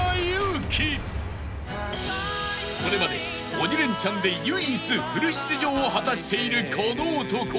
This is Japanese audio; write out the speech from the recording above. ［これまで『鬼レンチャン』で唯一フル出場を果たしているこの男］